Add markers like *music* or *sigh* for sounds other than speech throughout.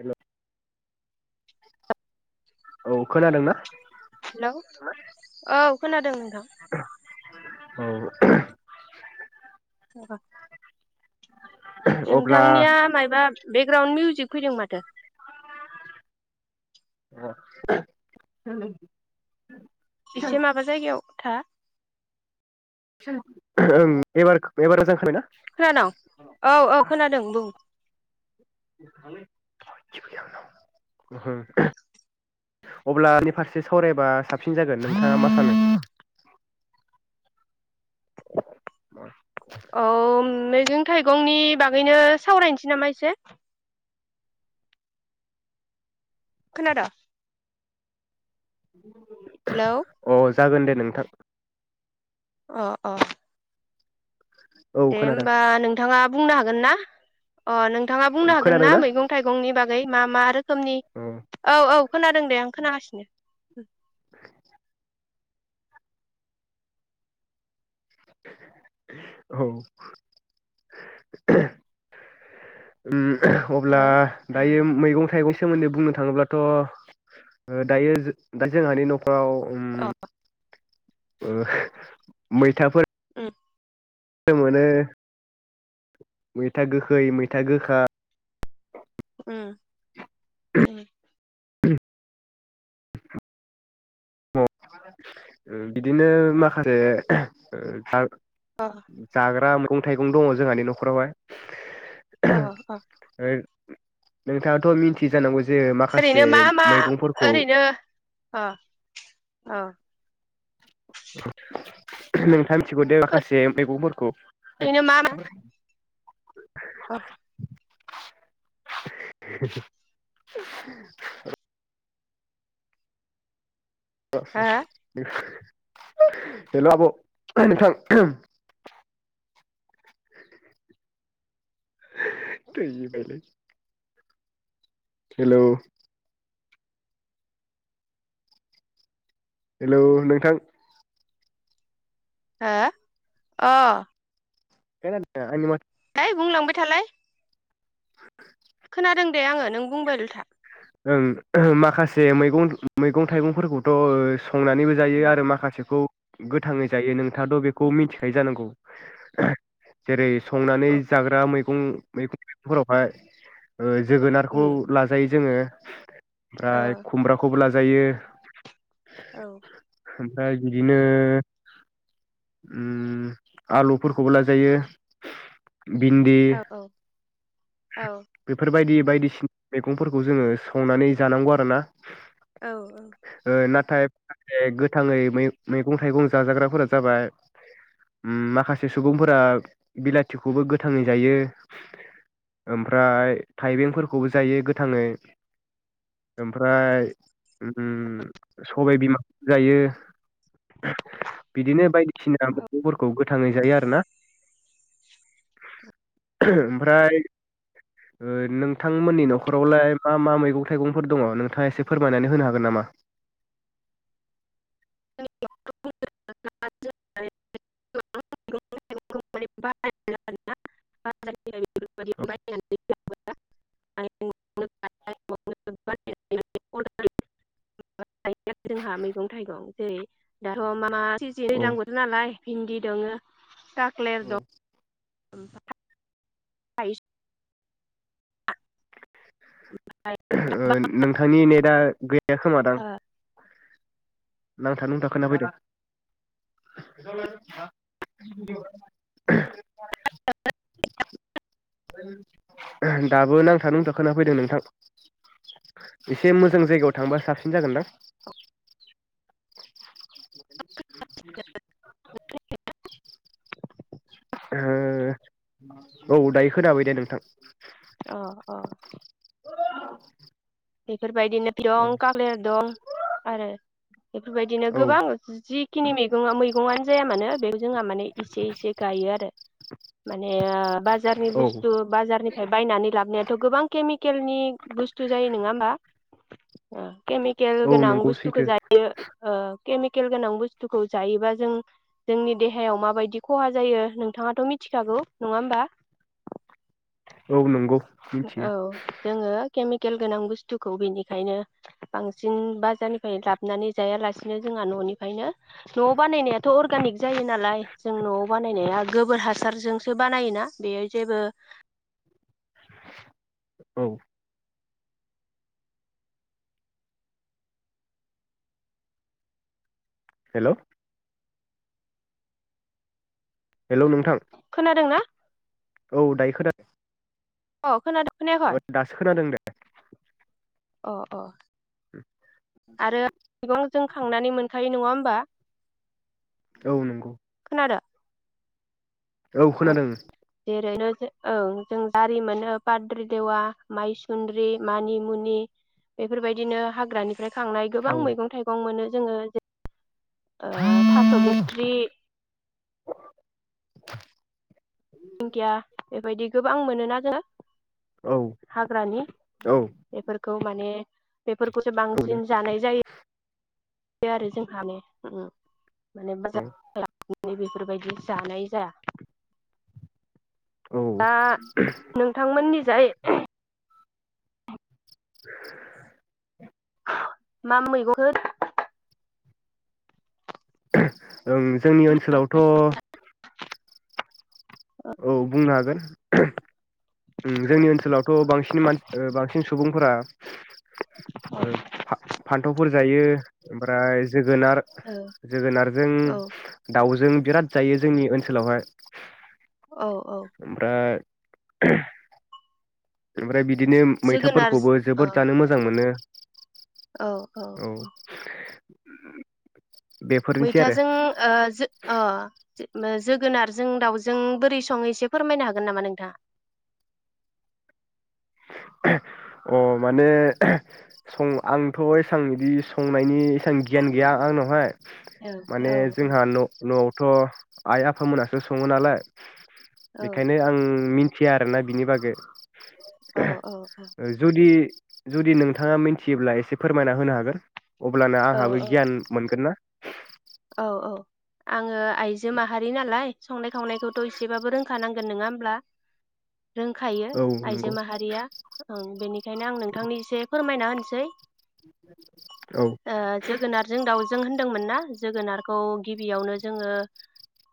हेल' औ खोनादोंना? खोनादोंमोन। दा औ *unintelligible* अब्ला नोंथांनिया मायबा बे ग्राउन्ड मिउजिक फैदों माथो अ *unintelligible* एसे माबा जायगायाव था ओं एबार एबार मोजां खोनाबाय ना खोनादों औ औ खोनादों बुं अब्लानि फारसे सावरायबा साबसिन जागोन नोंथाङा मा सानो औ *unintelligible* मं थाइगंनि बागैनो सावरायनोसै नामा एसे खोनादों *unintelligible* हेल' अ जागोन दे नोंथां अ औ औ दे खोनादों होमबा नोंथाङा बुंनो हागोन ना अ नों नोंथाङा औ बुंनो हागोन ना खोनादोंना मैगं थाइगंनि बागै मा मा रोखोमनि औ खोमनि औ औ खोनादों दे आं खोनागासिनो *unintelligible* औ उम अब्ला ओ दायो मैगं थाइगं सोमोन्दै बुंनो थाङोब्लाथ' दायो दा जोंहानि न'खर अ मैथाफोर *unintelligible* मोनो मैथा गोखै मैथा गोखा *unintelligible* *unintelligible* बिदिनो माखासे जाग्रा मैगं थाइगं दङ जोंहानि न'खरावहाय अ अ। नोंथाङाथ' मिथियो जानांगौ। जे माखासे ओरैनो मा मा मैगंफोरखौ ओरैनो अ। अ। नोंथाङा मिथिहोहरदो माखासे मैगंफोरखौ ओरैनो मा मा *inaudible* *inaudible* *inaudible* हो *inaudible* हेल' आब' नोंथां थैबायलै हेलौ। हेलौ नोंथां। हो अ *unintelligible* दे बुंलांबाय थालाय। खोनादों दे आङो नों बुंबायलथा। ओं माखासे मैगं मैगं थाइगंफोरखौथ' संनानैबो जायो उम आरो माखासेखौ गोथाङै जायो नोंथाङाथ' बेखौ मिथिखायो जानांगौ जेरै संनानै औ जाग्रा मैगं मैगंफोरावहाय जोगोनारखौ लाजायो जोङो *inaudible* औ ओमफ्राय खुमब्राखौबो लाजा जायो। औ। ओमफ्राय बिदिनो उम आलुफोरखौबो लाजायो। बिन्दि औ औ बेफोरबायदि बायदिसिना मैगंफोरखौ जोङो संनानै जानांगौ आरोना। औ औ। ओ नाथाय माखासे गोथाङै मैगं थाइगं जाजाग्राफोरा जाबाय माखासे सुबुंफोरा बिलाथिखौबो गोथाङै जायो। ओमफ्राय थाइबेंफोरखौबो जायो गोथाङै ओमफ्राय उम *inaudible* सबाय बिमाबो जायो बिदिनो बायदिसिना मैगंफोरखौ गोथाङै जायो आरोना ओमफ्राय नोंथांमोननि न'खरावलाय मा मा मैगं थाइगंफोर दङ नोंथाङा एसे फोरमायनानै होनो हागोन नामा? *unintelligible* *inaudible* *unintelligible* जोंहा मैगं थाइगं जेरै दाथ' मा मा *unintelligible* औ दैज्लां बोथोर नालाय बिन्दि दङो दा औ। ओमफा *unintelligible* थायस नोंथांनि नेटआ गैया खोमादां। नांथा नांथा खोनाफैदों। *inaudible* दाबो नांथा नुंथा खोना फैदों नों थां। एसे मोजां जायगायाव थांबा साबसिन जागोनदां। ओ औ दायो खोनाबाय दे नोंथां। अ अ। औ। बेफोरबायदिनो बियाव काग्लेर दं आरो बेफोरबायदिनो गोबां औ जि खिनि मैगं मैगंआनो जाया मानो बे जोंहा माने इसे इसे गायो आरो। माने बाजारनि बुस्थु औ बाजारनिफ्राय बायनानै लाबोनाथ' गोबां केमिकेलनि बुस्थु जायो नङा हो मबा? उम। केमिकेल औ गोनां नंगौ बुस्थुखौ सैथो जायो ओ केमिकेल गोनां बुस्थुखौ जायोबा जों जोंनि देहायाव माबायदि खहा जायो नोंथाङाथ' मिथिखागौ। नङा होमबा? औ नोंगौ। औ जोङो केमिकेल गोनां बुस्थुखौ बेनिखायनो बांसिन बाजारनिफ्राय लाबोनानै जायालासिनो जोंहा न'निफ्रायनो न'आव बानायनायाथ' अरगेनिक जायो नालाय जों न'आव बानायनाया गोबोर हासारजोंसो बानायोना। बेयो जेबो औ। हेलौ। हेलौ नोंथां। खोनादोंना औ दायो खोना अ खोनादों? खोनायाखै अ दासो खोनादों दे। अ अ। आरो मेगं जों खांनानै मोनखायो नङा होमबा? औ नोंगौ। खोनादो? औ खोनादों। औं जों दारि मोनो, पाद्रि देवा, माइसुन्द्रि, मानिमुनि, बेफोरबायदिनो हाग्रानिफ्राय खांनाय औ गोबां मैगं थाइगं मोनो। जोङो जे ओ थास' बिथ्रि *inaudible* दिंखिया बेबायदि गोबां मोनोना जों। औ हाग्रानि औ बेफोरखौ माने बेफोरखौसो बांसिन जानाय जायो। बिदि आरो जोंहानि ओम माने बाजार *unintelligible* बेफोरबायदि जानाय जाया। दा ओं नोंथांमोननिजाय *inaudible* मा मैगंफोर *inaudible* ओं जोंनि ओनसोलावथ' *inaudible* औ बुंनो हागोन। *inaudible* ओम जोंनि ओनसोलावथ' बांसिन मानसि ओ बांसिन सुबुंफोरा फान्थावफोर जायो। ओमफ्राय जोगोनार औ जोगोनारजों औ दाउजों बिराद जायो जोंनि ओनसोलावहाय औ औ ओमफ्राय *unintelligible* ओमफ्राय बि दिनो जोगोनार मैथाफोरखौबो जोबोर जानो मोजां मोनो। औ औ औ बेफोरनोसै आरो मैथाजों ओ जो अ ओम जोगोनारजों दाउजों बोरै संङो एसे फोरमायनो हागोन नामा नोंथाङा? अ माने सं आंथ' एसां इदि संनायनि एसां गियान गैया आंनावहाय औ माने औ औ जोंहा न न'आवथ' आइ आफा मोनासो सङो नालाय। औ बेखायनो आं मिन थिया आरोना बिनि बागै। औ औ औ जुदि-जुदि नोंथाङा मिथियोब्ला एसे फोरमायना होनो हागोन? अब्लानो औ आंहाबो औ गियान मोनगोन ना औ औ आङो आइजो माहारि नालाय संनाय खावनायखौथ' एसेबाबो रोंखानांगोन नङा होमब्ला? रोंखायो औ आइजो नंगौ माहारिया ओं बेनिखायनो आं नोंथांनि एसे फोरमायना होनसै औ *unintelligible* ओ जोगोनारजों दाउजों दोंमोन ना जोगोनारखौ गिबियावनो जोङो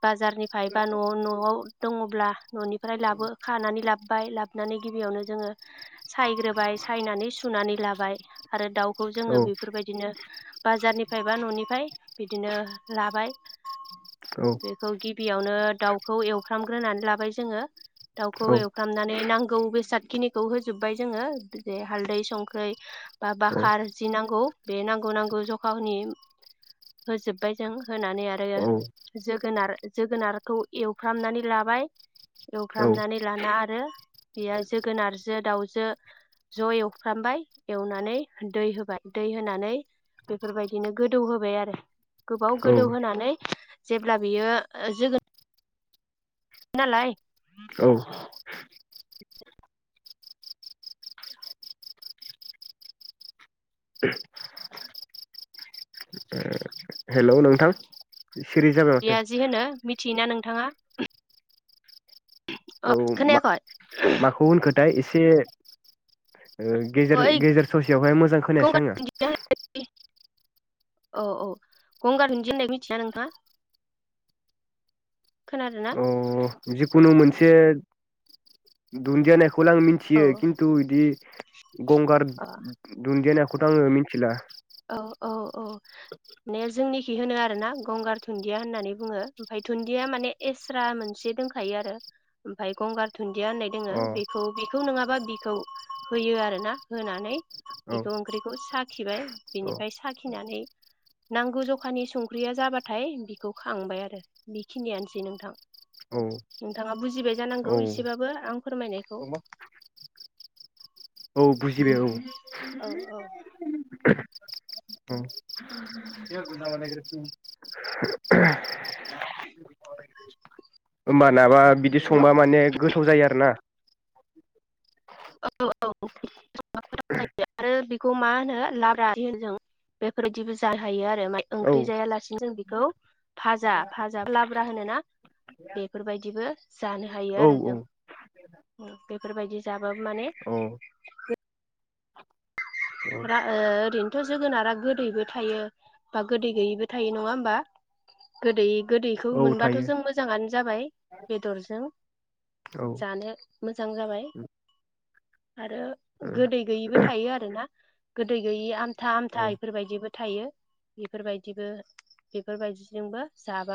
बाजारनिफ्राय बा न' न'आव दङ' ब्ला न'नि फ्राय लाबो खानानै लाब बाय लाबोनानै गिबियावनो जोङो सायग्रोबाय सायनानै सुनानै लाबाय आरो दाउ खौ औ जोङो बेफोरबायदिनो बाजारनिफ्राय बा न'निफ्राय‌ बिदिनो लाबाय औ बेखौ गिबियावनो दाउखौ एवफ्रामग्रोनानै लाबाय जोङो दाउखौ औ एवफ्रामनानै नांगौ बेसाद खिनिखौ होजोबबाय जोङो जे हालदै संख्रै बा बाखार जि नांगौ बे नांगौ नांगौ जखाहोनि होजोबबाय जों होनानै आरो जोगोनार जोगोनारखौ एवफ्रामनानै लाबाय औ एवफ्रामनानै लाना आरो बेयो जोगोनारजों दाउजो ज' एवफ्रामबाय एवनानै दै होबाय। दै होनानै बेफोरबायदिनो गोदौ होबाय आरो गोबाव औ गोदौहानै जेब्ला बियो जोगोन नालाय औ हेल' नोंथां सिरि जाबाय माथो? थियो नोंथाङा अ औ मा खोनायाखै? माखौ होनखो दा एसे ओ गेजेर ओइ गेजेर ससेयावहाय मोजां खोनायासै गंगार आङो दुन्दिया होननाय औ औ गंगारहन्दि होननाय मिथिया नोंहा? खोनादोंना? अ जिखुनु मोनसे दुन्दियाना *unintelligible* आं मिथियो औ खिन्थु बिदि गंगार दुन्दियाना खौथ' आङो मिथिला। औ औ औ मे जोंनि खि होनो आरो ना गंगार दुन्दिया होननानै बुङो ओमफ्राय दुन्दिया माने एस्रा मोनसे दंखायो आरो ओमफ्राय गंगार दुन्दिया होननाय अ दोङो बेखौ बेखौ नङाबा बिखौ होयो आरो ना होनानै औ बिखौ ओंख्रिखौ साखिबाय। बिनिफ्राय औ साखिनानै नांगौ जखानि संख्रिया जाबाथाय बिखौ खांबाय आरो बेखिनियानोसै नोंथां। नोंथाङा बुजिबाय जानांगौ औ इसेबाबो आं फोरमायनायखौ औ औ बुजिबाय औ हेल' *unintelligible* होनबा नाबा बिदि संबा माने गोथाव जायो आरो ना? *unintelligible* औ औ *unintelligible* आरो खौ मा होनो *unintelligible* जों *unintelligible* *unintelligible* औ ओंख्रि जायालासिनो जों बिखौ फाजा भाजा लाब्रा होनोना बेफोरबायदिबो जानो हायो औ आरो औ जों। फोरबायदि जाब *unintelligible* माने औ *unintelligible* औ ओ ओरैनो थ' जोगोनारा गोदैबो थायो बा गोदै गैयैबो थायो नङा होमबा गोदै गोदैखौ औ मोनबाथ' थायो जों मोजाङानो जाबाय बेदरजों औ जानो मोजां जाबाय। आरो गोदै गैयिबो थायो आरोना। गोदै गैयि आन था औ आमथा ओ इफोरबायदिबो थायो बेफोरबायदिबो बेफोरबायदिजोंबो जाब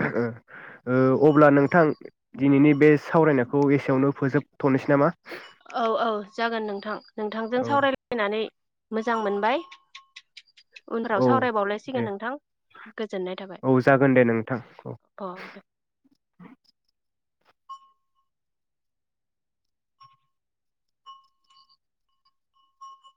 ओ अब्ला नोंथां दिनैनि बे सावरायनायखौ एसेयावनो फोजोबथ'नोसै नामा? औ औ जागोन नोंथां। नोंथांजों औ सावरायलायनानै मोजां मोनबाय। उनाव औ सावरायबावलायसिगोन दे नोंथां गोजोननाय थाबाय। औ जागोन दे नोंथां औ अ दे